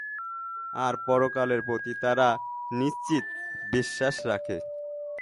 আর পরকালের প্রতি তারা নিশ্চিত বিশ্বাস রাখে।